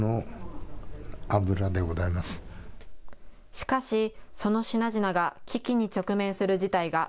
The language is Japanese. しかしその品々が危機に直面する事態が。